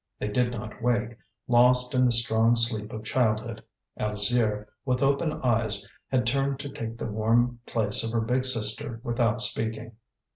They did not wake, lost in the strong sleep of childhood. Alzire, with open eyes, had turned to take the warm place of her big sister without speaking.